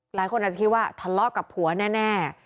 หลายคนอาจจะคิดว่าทะเลาะกับผัวแน่